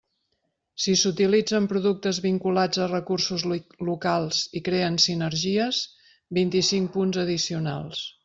Si s'utilitzen productes vinculats a recursos locals i creen sinergies, vint-i-cinc punts addicionals.